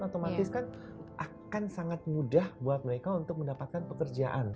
otomatis kan akan sangat mudah buat mereka untuk mendapatkan pekerjaan